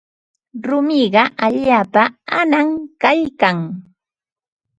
Rumiqa allaapa anam kaykan.